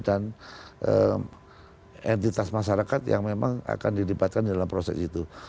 dan entitas masyarakat yang memang akan dilibatkan dalam proses itu